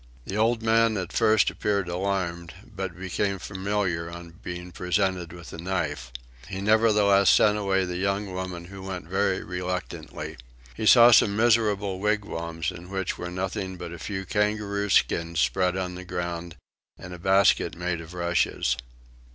The old man at first appeared alarmed, but became familiar on being presented with a knife. He nevertheless sent away the young woman who went very reluctantly. He saw some miserable wigwams, in which were nothing but a few kangaroo skins spread on the ground, and a basket made of rushes.